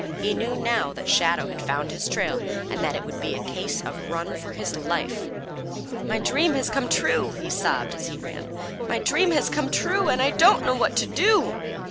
He knew now that Shadow had found his trail and that it was to be a case of run for his life. "My dream has come true!" he sobbed as he ran. "My dream has come true, and I don't know what to do!"